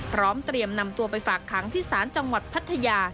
พร้อมเตรียมนำตัวไปฝากขังที่ศาลจังหวัดพัทยา